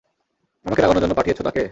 আমাকে রাগানোর জন্য পাঠিয়েছো তাকে?